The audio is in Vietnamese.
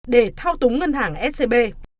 để thao túng ngân hàng scb